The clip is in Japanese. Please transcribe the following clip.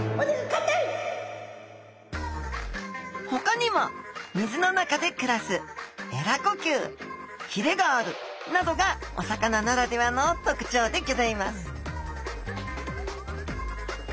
ほかにも「水の中で暮らす」「鰓呼吸」「鰭がある」などがお魚ならではの特徴でギョざいます